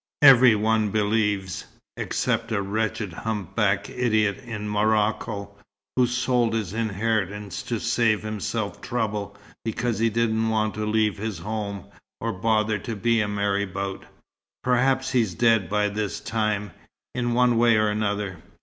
Every one believes except a wretched hump backed idiot in Morocco, who sold his inheritance to save himself trouble, because he didn't want to leave his home, or bother to be a marabout. Perhaps he's dead by this time, in one way or another.